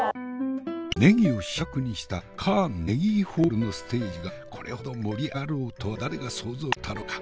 ねぎを主役にしたカー・ネギーホールのステージがこれほど盛り上がろうとは誰が想像しておったろうか。